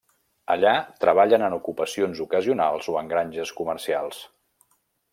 Allà treballen en ocupacions ocasionals o en granges comercials.